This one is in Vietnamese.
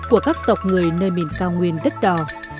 của các tộc người nơi miền cao nguyên đất đỏ